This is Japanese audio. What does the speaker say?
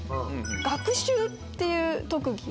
学習っていう特技？